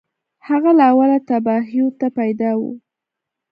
هغه له اوله تباهیو ته پیدا و